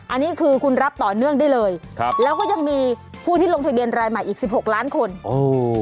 อันนี้คือคุณรับต่อเนื่องได้เลยครับแล้วก็ยังมีผู้ที่ลงทะเบียนรายใหม่อีกสิบหกล้านคนโอ้